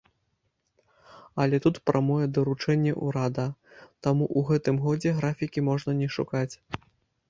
Але тут прамое даручэнне урада, таму ў гэтым годзе графікі можна не шукаць.